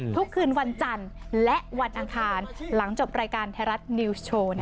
ทุกคืนวันจันทร์และวันอันคารหลังจบรายการเทราะต์นิวส์โชว์นะคะ